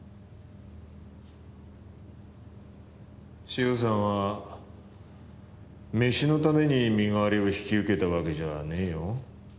塩さんはメシのために身代わりを引き受けたわけじゃねえよ。